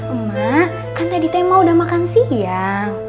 emak kan tadi teh mau udah makan siang